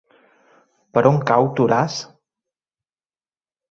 Per on cau Toràs?